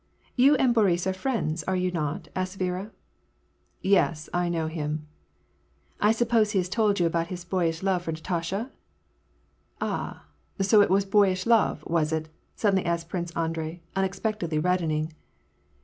" You and Boris are friends, are you not ?" asked Viera. " Yes, I know him." " I suppose he has told you about his boyish love for Na tasha ?" "Ah, so it was a boyish love, was it?" suddenly asked Prince Andrei, unexpectedly reddening.